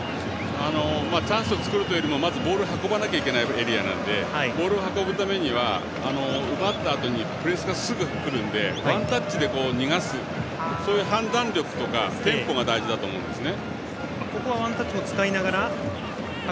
チャンスを作るというよりもボールを運ばなきゃいけないエリアなのでボールを運ぶためには奪ったあとにプレスがすぐ来るのでワンタッチで逃がすそういう判断力とかテンポが大事だと思うんですね。